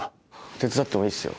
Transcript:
手伝ってもいいですよ。